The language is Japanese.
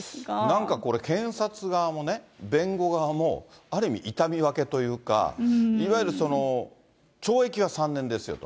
なんかこれ、検察側もね、弁護側も、ある意味、痛み分けというか、いわゆる懲役が３年ですよと。